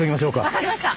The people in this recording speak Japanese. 分かりました！